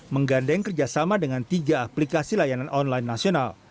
menggandeng kerjasama dengan tiga aplikasi layanan online nasional